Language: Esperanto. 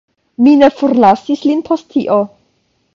Mi ne forlasis lin post tio.